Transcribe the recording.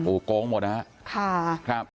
โอ้โกงหมดนะ